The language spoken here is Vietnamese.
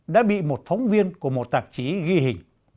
đã bị một phóng viên của một tạp chí ghi hình